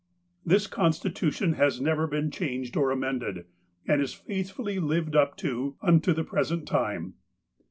This coDstitutiou has never been changed or amended, and is faithfully lived up to unto the present time.